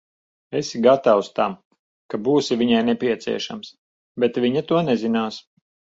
Esi gatavs tam, ka būsi viņai nepieciešams, bet viņa to nezinās.